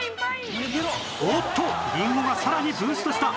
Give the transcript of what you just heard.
おっとりんごがさらにブーストした